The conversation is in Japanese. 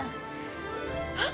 あっ。